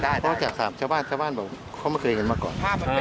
ได้แต่ว่าจากชาวบ้านชาวบ้านเขาไม่เคยเห็นมาก่อน